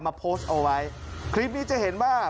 โพสต์เอาไว้คลิปนี้จะเห็นว่า